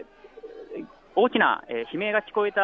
大きな悲鳴が聞こえた